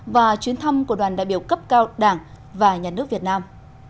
và chuyến thăm của đoàn đại biểu cấp cao đảng và nhà nước việt nam